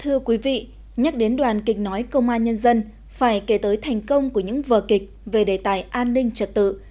thưa quý vị nhắc đến đoàn kịch nói công an nhân dân phải kể tới thành công của những vờ kịch về đề tài an ninh trật tự